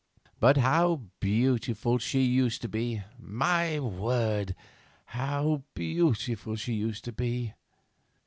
But how beautiful she used to be! My word, how beautiful she used to be!